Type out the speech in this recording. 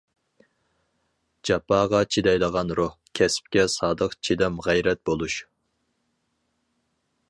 جاپاغا چىدايدىغان روھ، كەسىپكە سادىق چىدام غەيرەت بولۇش.